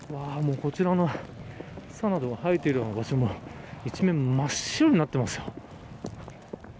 こちらの草などが生えているような場所も一面、真っ白になってますよ。